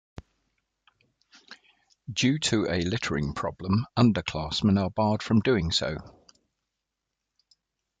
Due to a littering problem, underclassmen are barred from doing so.